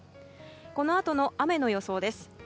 このあとの雨の予想です。